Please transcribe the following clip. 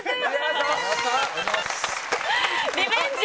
リベンジ？